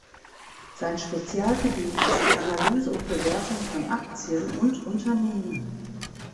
Sein Spezialgebiet ist die Analyse und Bewertung von Aktien und Unternehmen.